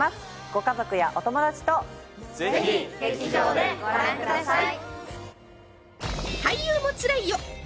ご家族やお友達とぜひ劇場でご覧ください